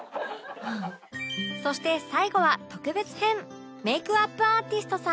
そして最後は特別編メイクアップアーティストさん